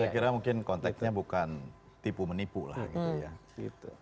saya kira mungkin konteksnya bukan tipu menipu lah gitu ya